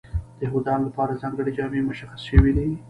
د یهودیانو لپاره ځانګړې جامې مشخصې شوې وې.